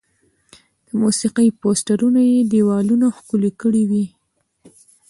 د موسیقي پوسټرونه یې دیوالونه ښکلي کړي وي.